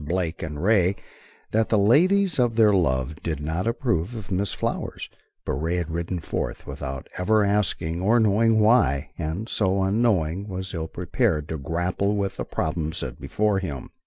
Blake and Ray, that the ladies of their love did not approve of Miss Flower, but Ray had ridden forth without ever asking or knowing why, and so, unknowing, was ill prepared to grapple with the problem set before him.